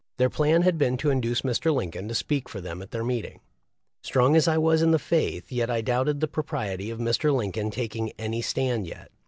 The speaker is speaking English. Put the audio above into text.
Their plan had been to induce Mr. Lincoln to speak for them at their meeting. Strong as I was in the faith, yet I doubted the propriety of Lincoln's taking any stand yet.